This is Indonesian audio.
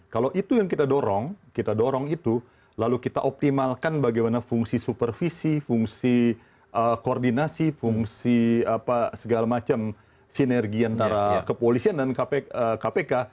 kalau itu yang kita dorong kita dorong itu lalu kita optimalkan bagaimana fungsi supervisi fungsi koordinasi fungsi segala macam sinergi antara kepolisian dan kpk